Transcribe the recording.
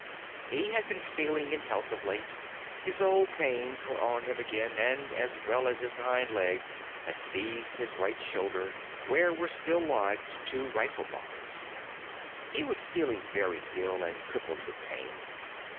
He had been failing in health of late; his old pains were on him again, and, as well as his hind leg, had seized his right shoulder, where were still lodged two rifle balls. He was feeling very ill, and crippled with pain.